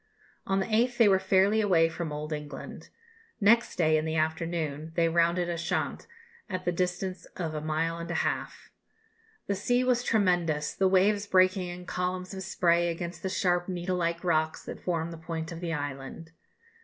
On the 8th they were fairly away from Old England. Next day, in the afternoon, they rounded Ushant, at the distance of a mile and a half: "the sea was tremendous, the waves breaking in columns of spray against the sharp needle like rocks that form the point of the island."